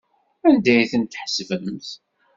Anda ay tent-tḥesbemt?